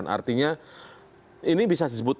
artinya ini bisa disebut